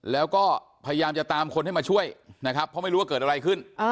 แล้วก็พยายามจะตามคนให้มาช่วยนะครับเพราะไม่รู้ว่าเกิดอะไรขึ้น